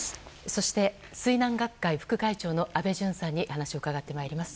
そして、水難学会副会長の安倍淳さんに話を伺って参ります。